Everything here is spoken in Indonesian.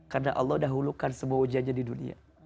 karena allah dahulukan semua ujiannya di dunia